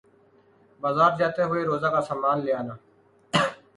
بازار جاتے ہوئے روزہ کا سامان لے آنا